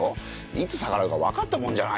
いつ逆らうかわかったもんじゃないですよ。